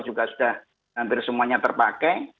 juga sudah hampir semuanya terpakai